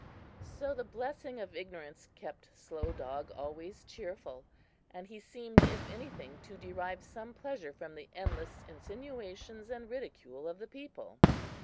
So the blessing of ignorance kept Slow Dog always cheerful; and he seemed, if anything, to derive some pleasure from the endless insinuations and ridicule of the people!